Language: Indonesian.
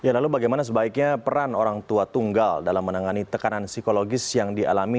ya lalu bagaimana sebaiknya peran orang tua tunggal dalam menangani tekanan psikologis yang dialami